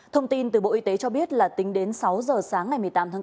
thông tin từ bộ y tế cho biết là tính đến sáu giờ sáng ngày một mươi tám tháng bốn